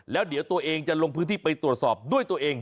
แล้วเดี๋ยวตัวเองจะลงพื้นที่ไปตรวจสอบด้วยตัวเอง